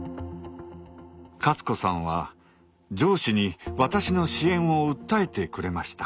勝子さんは上司に私の支援を訴えてくれました。